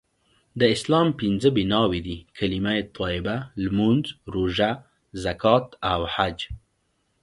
د اسلام پنځه بنأوي دي.کلمه طیبه.لمونځ.روژه.زکات.او حج